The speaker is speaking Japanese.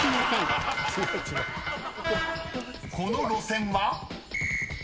［この路線は？］